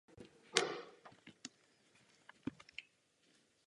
Následně byl lom uzavřen a dnes je v jeho prostorách skládka lesního závodu.